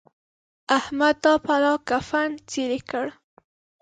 احمد دا پلا کفن څيرې کړ.